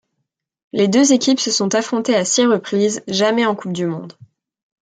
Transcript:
Les deux équipes se sont affrontées à six reprises, jamais en Coupe du monde.